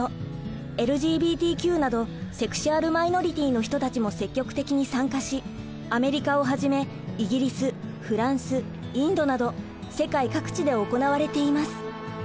ＬＧＢＴＱなどセクシュアル・マイノリティーの人たちも積極的に参加しアメリカをはじめイギリスフランスインドなど世界各地で行われています。